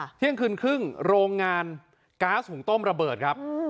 เที่ยงคืนครึ่งโรงงานก๊าซหุงต้มระเบิดครับ